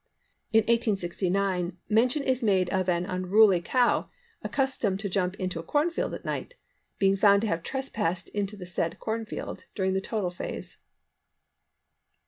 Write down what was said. In 1869 mention is made of an unruly cow "accustomed to jump into a corn field at night" being found to have trespassed into the said corn field during the total phase.